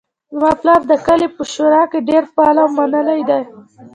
زما پلار د کلي په شورا کې ډیر فعال او منلی ده